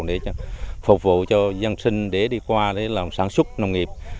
để phục vụ cho dân sinh để đi qua để làm sản xuất nông nghiệp